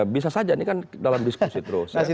bisa saja ini kan dalam diskusi terus